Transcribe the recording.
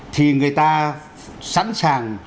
thì người ta sẵn sàng